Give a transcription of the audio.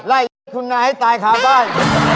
ไล่ฟะคุณนายให้ตายขาวใบ